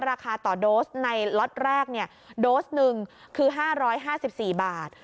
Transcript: ราคาต่อโดสในล็อตแรกโดสหนึ่งคือ๕๕๔บาท